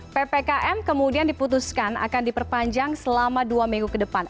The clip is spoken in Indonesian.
ppkm kemudian diputuskan akan diperpanjang selama dua minggu ke depan